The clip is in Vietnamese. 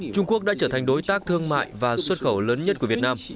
trung quốc đã trở thành đối tác thương mại và xuất khẩu lớn nhất của việt nam